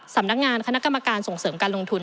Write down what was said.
สำนักงานคณะกรรมการส่งเสริมการลงทุน